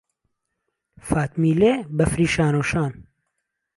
فاتمیلێ بەفری شانەوشان